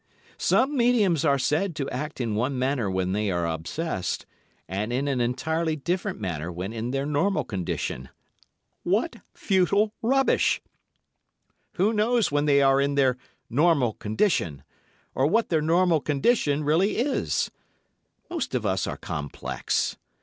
Some mediums are said to act in one manner when they are obsessed, and in an entirely different manner when in their normal condition. What futile rubbish! Who knows when they are in their normal condition, or what their normal condition really is? Most of us are complex.